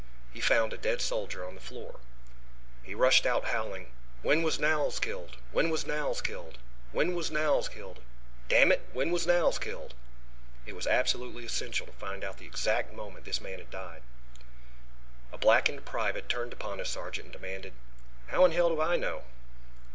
He found a dead soldier on the floor. He rushed out howling: "When was Knowles killed? When was Knowles killed? When was Knowles killed? Damn it, when was Knowles killed?" It was absolutely essential to find out the exact moment this man died. A blackened private turned upon his sergeant and demanded: "How in hell do I know?"